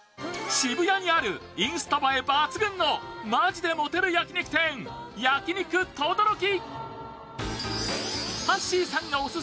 渋谷にあるインスタ映え抜群の本気でモテる焼き肉店、焼肉とどろき。